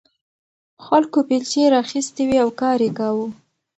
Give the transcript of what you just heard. خلکو بیلچې راخیستې وې او کار یې کاوه.